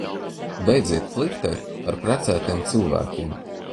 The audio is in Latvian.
Beidziet flirt?t ar prec?tiem cilv?kiem!